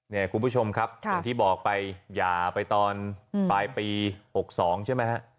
เนี่ยคุณผู้ชมครับอย่าไปตอนปลายปี๖๒ใช่ไหมครับ